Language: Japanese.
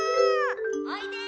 ・おいで！